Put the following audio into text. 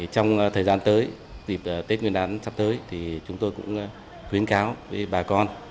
trong thời gian tới dịp tết nguyên đán sắp tới thì chúng tôi cũng khuyến cáo với bà con